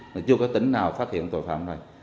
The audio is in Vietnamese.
mà chưa có tỉnh nào phát hiện tội phạm này